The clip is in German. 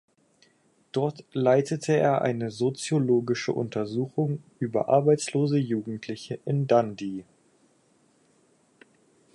Dort leitete er eine soziologische Untersuchung über arbeitslose Jugendliche in Dundee.